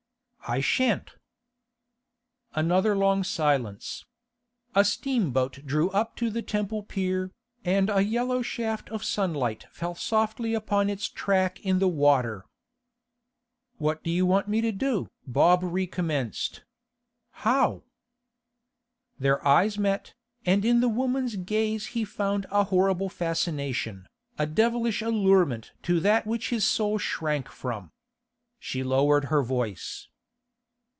'I shan't,' Another long silence. A steamboat drew up to the Temple Pier, and a yellow shaft of sunlight fell softly upon its track in the water. 'What do you want me to do?' Bob recommenced. 'How?' Their eyes met, and in the woman's gaze he found a horrible fascination, a devilish allurement to that which his soul shrank from. She lowered her voice.